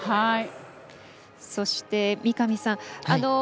そして、三上さん